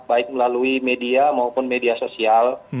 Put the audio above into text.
baik melalui media maupun media sosial